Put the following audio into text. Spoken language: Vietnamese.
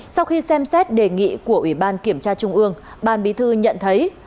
sau khi xem xét đề nghị của ủy ban kiểm tra trung ương ban bí thư nhận thấy